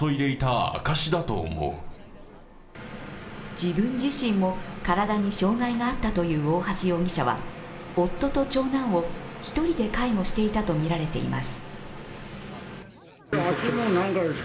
自分自身も体に障害があったという大橋容疑者は夫と長男を１人で介護していたとみられています。